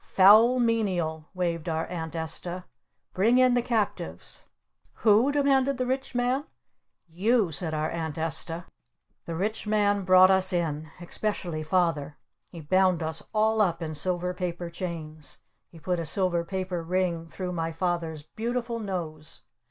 "Foul Menial!" waved our Aunt Esta. "Bring in the Captives!" "Who?" demanded the Rich Man. "You!" said our Aunt Esta. The Rich Man brought us in! Especially Father! He bound us all up in silver paper chains! He put a silver paper ring through my Father's beautiful nose!